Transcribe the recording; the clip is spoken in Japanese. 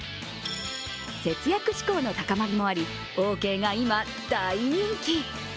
節約志向の高まりもあり、オーケーが今、大人気。